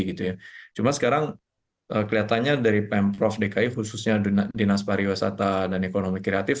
cuma sekarang kelihatannya dari pemprov dki khususnya dinas pariwisata dan ekonomi kreatif